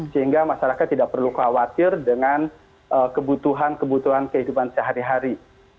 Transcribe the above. sehingga masyarakat tidak perlu khawatir dengan kebutuhan kebutuhan kehidupan sehari hari